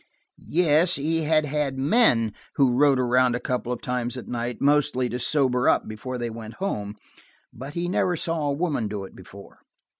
Yes, he had had men who rode around a couple of times at night, mostly to sober up before they went home. But he never saw a woman do it before.